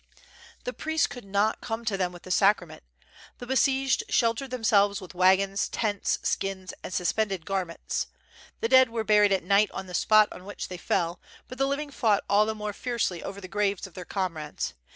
The priests could not come to them with the sacrament. The besieged sheltered themselves with wagons, tents, skins, and suspended gar ments. The dead were buried at night on the spot on which they fell; but the living fought all the more fiercely over the graves of their comrades.